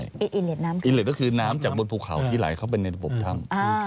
อินเล็ดน้ำคืออินเล็ดก็คือน้ำจากบนภูเขาที่ไหลเข้าไปในระบบถ้ำ